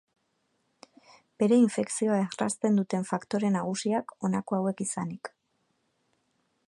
Bere infekzioa errazten duten faktore nagusiak honako hauek izanik.